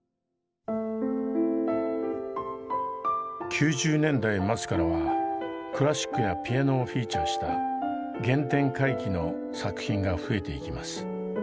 ９０年代末からはクラシックやピアノをフィーチャーした原点回帰の作品が増えていきます。